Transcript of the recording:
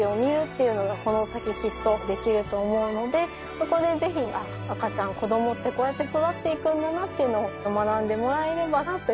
そこで是非あっ赤ちゃん子供ってこうやって育っていくんだなっていうのを学んでもらえればなというふうに期待をしています。